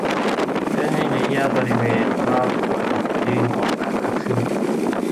เพื่อให้เนื้อเยื่อบริเวณรอบหัวนมยื่นออกมามากขึ้น